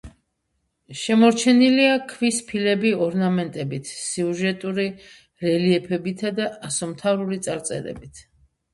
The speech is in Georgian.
შემორჩენილია ქვის ფილები ორნამენტებით, სიუჟეტური რელიეფებითა და ასომთავრული წარწერებით.